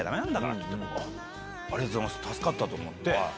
助かったと思って。